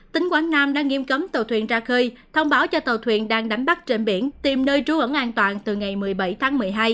tỉnh quảng nam đã nghiêm cấm tàu thuyền ra khơi thông báo cho tàu thuyền đang đánh bắt trên biển tìm nơi trú ẩn an toàn từ ngày một mươi bảy tháng một mươi hai